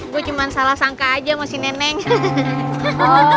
gue cuma salah sangka aja sama si nenek gitu